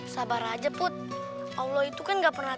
sabar aja bud allah itu kan nggak pernah tidur